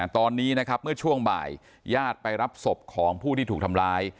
ตอนนี้นะครับเมื่อช่วงบ่ายญาติไปรับศพของผู้ที่ถูกทำร้าย